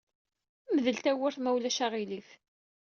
Mdel tawwurt, ma ulac aɣilif!